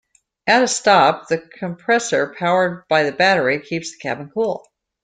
At a stop, the compressor powered by the battery keeps the cabin cool.